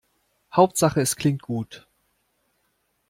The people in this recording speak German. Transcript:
Hauptsache es klingt gut.